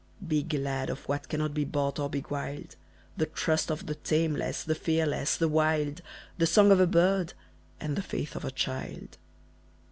Be glad of what cannot be bought or beguiled; The trust of the tameless, the fearless, the wild, The song of a bird and the faith of a child.